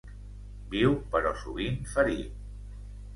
Viu però sovint ferit.